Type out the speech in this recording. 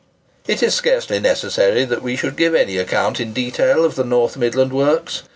It is scarcely necessary that we should give any account in detail of the North Midland works.